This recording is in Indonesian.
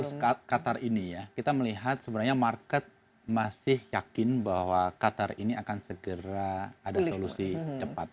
jadi untuk kasus qatar ini ya kita melihat sebenarnya market masih yakin bahwa qatar ini akan segera ada solusi cepat